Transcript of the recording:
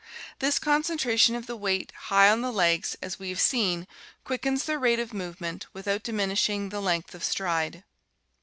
This concentration of the weight high on the legs, as we have seen, quickens their rate of movement without diminishing the length of stride.